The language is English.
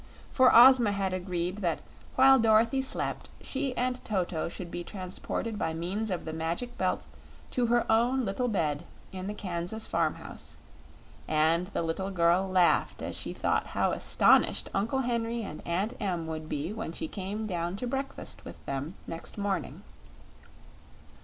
For Ozma had agreed that while Dorothy slept she and Toto should be transported by means of the Magic Belt to her own little bed in the Kansas farm house and the little girl laughed as she thought how astonished Uncle Henry and Aunt Em would be when she came down to breakfast with them next morning.